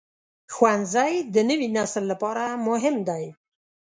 ښوونځی د نوي نسل لپاره مهم دی.